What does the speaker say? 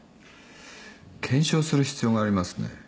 検証する必要がありますね。